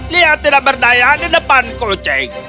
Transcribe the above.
lihat tidak berdaya di depan kocek